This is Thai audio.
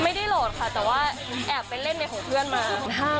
ไม่ได้โหลดค่ะแต่ว่าแอบเป็นเล่นในของเพื่อนมา